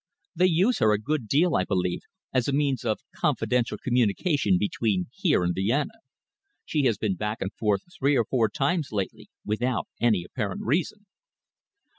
They use her a good deal, I believe, as a means of confidential communication between here and Vienna. She has been back and forth three or four times lately, without any apparent reason."